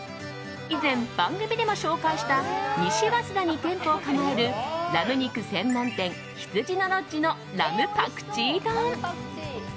以前、番組でも紹介した西早稲田に店舗を構えるラム肉専門店、羊のロッヂのラムパクチー丼。